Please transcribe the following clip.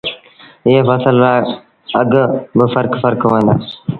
ايئي ڦسل رو اگھ با ڦرڪ ڦرڪ هوئي دو